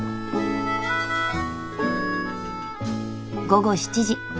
午後７時。